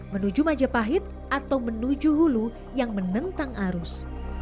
menuju majapahit atau menuju hulu yang menentang arus